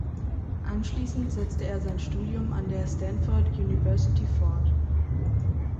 Anschließend setzte er sein Studium an der Stanford University fort.